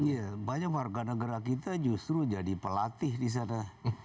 iya banyak warga negara kita justru jadi pelatih di sana